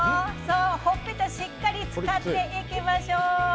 ほっぺたしっかり使っていきましょう！